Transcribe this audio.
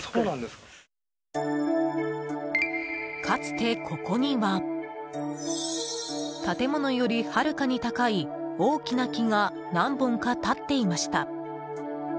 かつて、ここには建物よりはるかに高い大きな木が何本か立っていました。